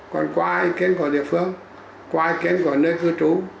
còn qua ý kiến của địa phương qua ý kiến vào nơi cư trú